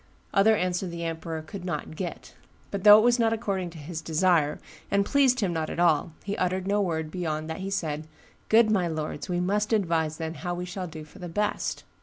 Other answer the emperor could not get; but though it was not according to his desire, and pleased him not at all, he uttered no word beyond that he said, 'Good my lords, we must advise, then, how we shall do for the best.